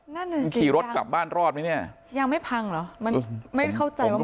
นั่นหนึ่งขี่รถกลับบ้านรอดไหมเนี่ยยังไม่พังเหรอมันไม่เข้าใจว่า